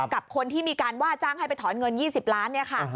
กับคนที่มีการว่าจ้างให้ไปถอนเงิน๒๐ล้านเนี่ยค่ะ